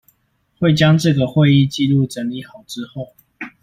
會將這個會議紀錄整理好之後